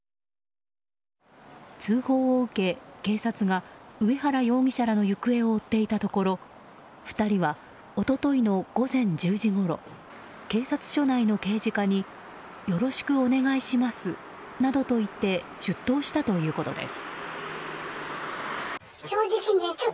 通報を受け、警察が上原容疑者らの行方を追っていたところ２人は一昨日の午前１０時ごろ警察署内の刑事課によろしくお願いしますなどと言って出頭したということです。